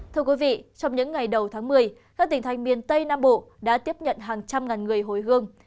thưa quý vị trong những ngày đầu tháng một mươi các tỉnh thành miền tây nam bộ đã tiếp nhận hàng trăm ngàn người hồi hương